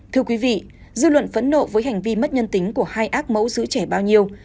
thưa quý vị dư luận phẫn nộ với hành vi mất nhân tính của hai ác mẫu giữ trẻ bao nhiêu